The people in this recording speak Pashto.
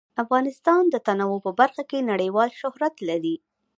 افغانستان د تنوع په برخه کې نړیوال شهرت لري.